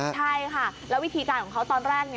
ใช่ค่ะแล้ววิธีการของเขาตอนแรก